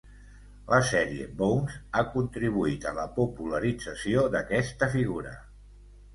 La sèrie Bones ha contribuït a la popularització d'aquesta figura.